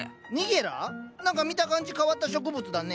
何か見た感じ変わった植物だね。